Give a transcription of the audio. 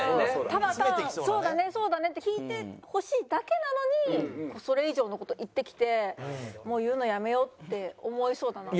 ただ単に「そうだねそうだね」って聞いてほしいだけなのにそれ以上の事言ってきてもう言うのやめようって思いそうだなって。